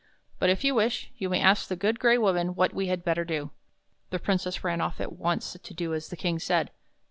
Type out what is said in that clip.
''But if you wish, you may ask the Good Gray Woman what we had better do." The Princess ran off at once to do as the King said.